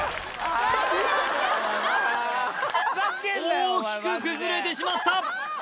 大きく崩れてしまった！